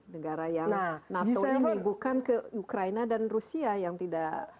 negara yang nato ini bukan ke ukraina dan rusia yang tidak